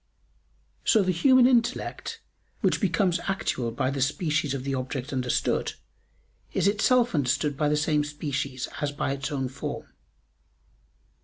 So the human intellect, which becomes actual by the species of the object understood, is itself understood by the same species as by its own form.